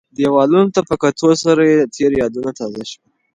دیوالونو ته په کتو سره یې د تېر یادونه تازه شول.